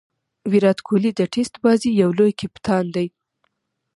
ویرات کهولي د ټېسټ بازي یو لوی کپتان دئ.